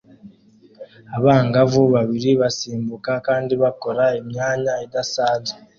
Abangavu babiri basimbuka kandi bakora imyanya idasanzwe